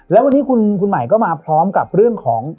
แล้ววันนี้คุณใหม่ก็มาพร้อมกับเรื่องของ